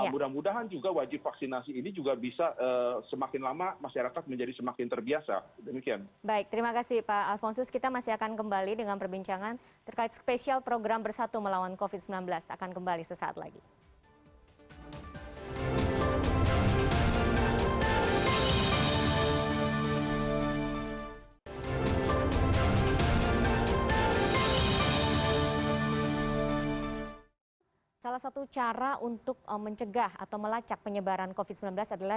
mudah mudahan juga wajib vaksinasi ini juga bisa semakin lama masyarakat menjadi semakin terbiasa